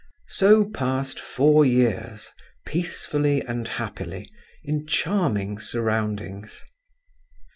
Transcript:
So passed four years peacefully and happily, in charming surroundings.